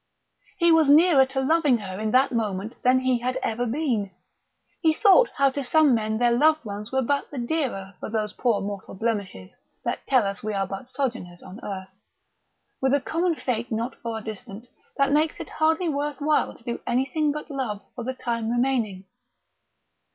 He was nearer to loving her in that moment than he had ever been. He thought how to some men their loved ones were but the dearer for those poor mortal blemishes that tell us we are but sojourners on earth, with a common fate not far distant that makes it hardly worth while to do anything but love for the time remaining.